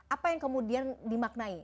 apa yang kemudian dimaknai